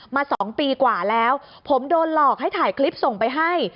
๒ปีกว่าแล้วผมโดนหลอกให้ถ่ายคลิปส่งไปให้